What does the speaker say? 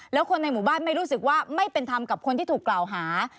แล้วคนในหมู่บ้านไม่รู้สึกว่าไม่เป็นธรรมกับคนที่ถูกกล่าวหา